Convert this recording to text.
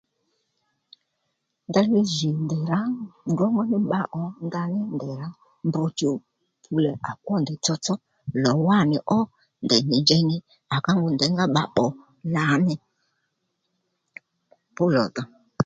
Ndeyli jì ndèy rǎ ndrǒngó ní bba ò ndaní ndèy rǎ mb chùw fulè à kwo ndèy tsotso lò wánì ó ndèy nì njěy nì à ká ngu nděy ngá bba pbò lǎní fú lò dho